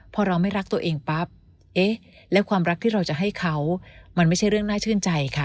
พอเราไม่รักตัวเองปั๊บเอ๊ะแล้วความรักที่เราจะให้เขามันไม่ใช่เรื่องน่าชื่นใจค่ะ